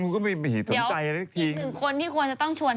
เดี๋ยวอีกหนึ่งคนที่ควรจะต้องชวน